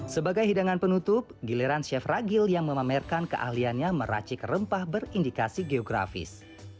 sebagai hidangan penutup giliran chef ragil yang memamerkan keahliannya meracik rempah berindikasi geografis